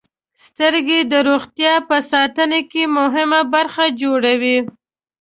• سترګې د روغتیا په ساتنه کې مهمه برخه جوړوي.